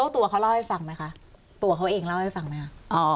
ตัวเขาเล่าให้ฟังไหมคะตัวเขาเองเล่าให้ฟังไหมคะ